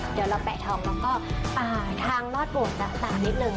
เดี๋ยวเราแปะทองแล้วก็ต่างทางรอดโบสถ์ละต่างนิดนึง